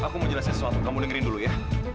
aku mau jelasin sesuatu kamu dengerin dulu ya